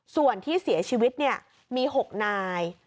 ส่วนที่เสียชีวิตมี๖นาย